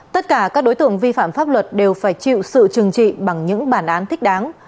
tất cả các đối tượng vi phạm pháp luật đều phải chịu sự trừng trị bằng những bản án thích đáng